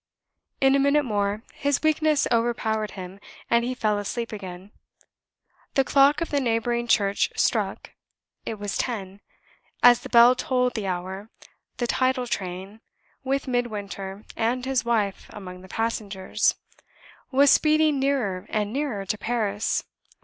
In a minute more his weakness overpowered him, and he fell asleep again. The clock of the neighboring church struck. It was ten. As the bell tolled the hour, the tidal train with Midwinter and his wife among the passengers was speeding nearer and nearer to Paris.